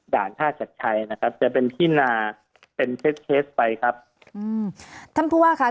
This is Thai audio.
ท่าชัดชัยนะครับจะเป็นที่นาเป็นเชฟเคสไปครับอืมท่านผู้ว่าค่ะ